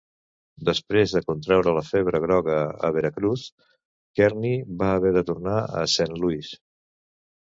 Després de contraure la febre groga a Veracruz, Kearny va haver de tornar a Saint Louis.